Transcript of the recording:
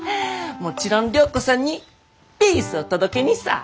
もちろん良子さんにピースを届けにさぁ。